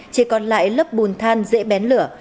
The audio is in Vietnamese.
chỉ còn lại lớp bùn than dễ bén lửa